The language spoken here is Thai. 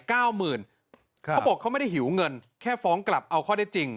เขาบอกเขาไม่ได้หิวเงินแค่ฟ้องกลับเอาข้อได้จริง